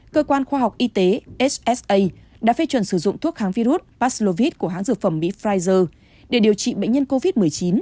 cơ quan khoa học y tế ssa đã phê chuẩn sử dụng thuốc kháng virus paslovit của hãng dược phẩm mỹ pfizer để điều trị bệnh nhân covid một mươi chín